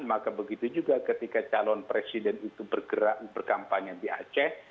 maka begitu juga ketika calon presiden itu bergerak berkampanye di aceh